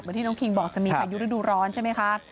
ที่น้องคิงบอกจะมีพายุฤดูร้อนใช่ไหมคะ